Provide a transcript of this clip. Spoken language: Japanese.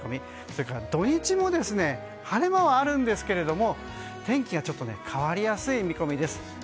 それから土日も晴れ間はあるんですけども天気がちょっと変わりやすい見込みです。